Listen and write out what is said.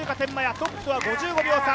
トップとは５５秒差。